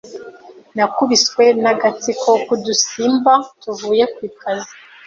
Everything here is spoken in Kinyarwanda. Nakubiswe n'agatsiko k'udusimba tuvuye ku kazi.